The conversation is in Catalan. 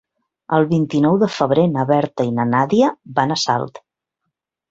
El vint-i-nou de febrer na Berta i na Nàdia van a Salt.